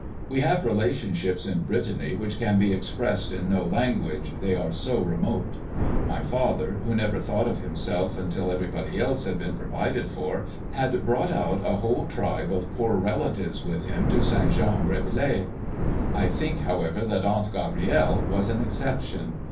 We have relationships in Brittany which can be expressed in no language, they are so remote. My father, who never thought of himself until everybody else had been provided for, had brought out a whole tribe of poor relatives with him to St. Jean Brévelay. I think, however, that Aunt Gabrielle was an exception.